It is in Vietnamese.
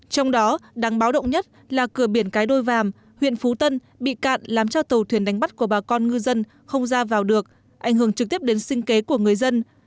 trong đó đáng báo động nhất là cửa biển cái đôi vàm huyện phú tân bị cạn làm cho tàu thuyền đánh bắt của bà con ngư dân không ra vào được ảnh hưởng trực tiếp đến sinh kế của người dân